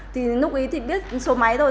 thì lúc ấy thì biết số máy thôi